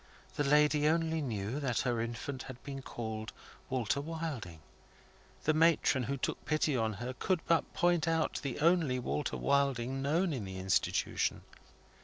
The lady only knew that her infant had been called 'Walter Wilding.' The matron who took pity on her, could but point out the only 'Walter Wilding' known in the Institution.